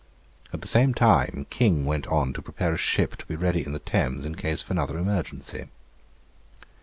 At the same time, King went on to prepare a ship to be ready in the Thames in case of another emergency.